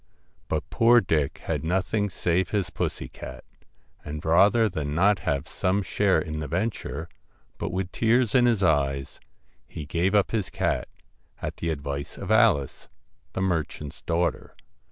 But poor Dick had nothing save his pussy cat, and rather than not have some share in the venture, but with tears in his eyes, he gave up his cat, at the advice of Alice, the mer chant's daughter.